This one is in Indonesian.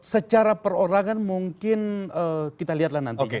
secara perorangan mungkin kita lihatlah nanti